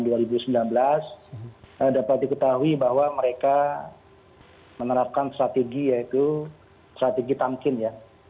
dapat diketahui bahwa mereka menerapkan strategi yaitu strategi tamkin ya